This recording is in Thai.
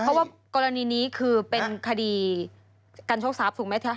เพราะว่ากรณีนี้คือเป็นคดีการโชคทรัพย์ถูกไหมคะ